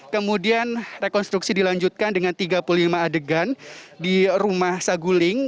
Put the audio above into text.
kemudian rekonstruksi dilanjutkan dengan tiga puluh lima adegan di rumah saguling